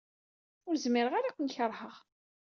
Ur zmireɣ ara ad ken-keṛheɣ.